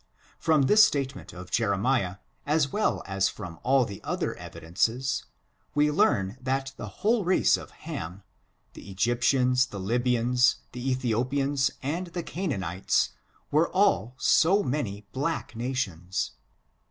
From this statement of Jeremiah, as well as from all the other evidences, we learn that the whole race of Ham, the Egyptians, the Lybians, the Ethiopians and the Canaanites, were all so many black nations.